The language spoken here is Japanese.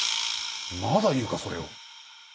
まだ言うかそれを。